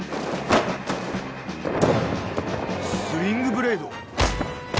スリングブレイド！